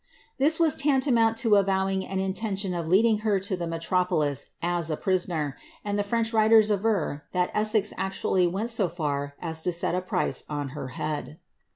'' This was tantamount to avowing an intention of leading her • the metropolis as a prisoner, and the French writers ' aver that Essex taally went so (ar as to set a price on her head.